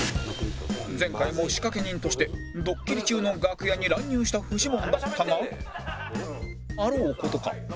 前回も仕掛け人としてドッキリ中の楽屋に乱入したフジモンだったがあろう事か